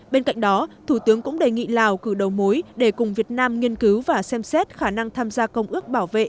bên cạnh đó thủ tướng cũng đề nghị lào cử đầu mối để cùng việt nam nghiên cứu và xem xét khả năng tham gia công ước bảo vệ